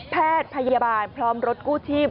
แพทย์พยาบาลพร้อมรถกู้ชีพ